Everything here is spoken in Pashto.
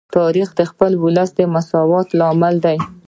تاریخ د خپل ولس د مساوات لامل دی.